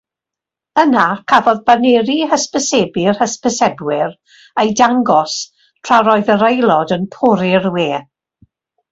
Yna, cafodd baneri hysbysebu'r hysbysebwyr eu dangos tra'r oedd yr aelod yn pori'r we.